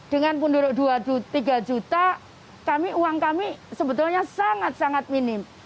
dengan penduduk tiga juta uang kami sebetulnya sangat sangat minim